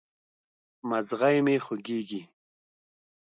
مځغی مي خوږیږي